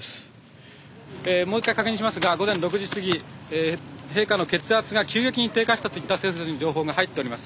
もう一回確認しますが午前６時すぎ陛下の血圧が急激に低下したといった政府筋の情報が入っております。